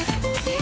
え？